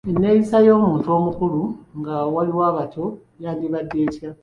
Enneeyisa y’omuntu omukulu nga waliwo abato yandibadde etya?